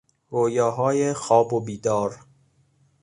رویاهای خواب و بیدار